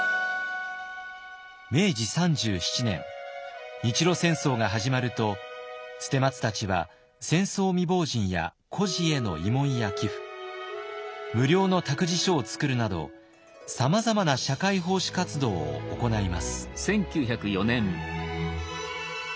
明治３７年日露戦争が始まると捨松たちは戦争未亡人や孤児への慰問や寄付無料の託児所を作るなどさまざまな社会奉仕活動を行います。